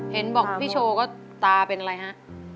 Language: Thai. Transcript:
เห็นบอกพี่โชว์ก็ตาเป็นอะไรฮะ